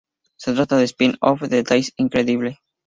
Se trata de un spin-off de "That's Incredible!".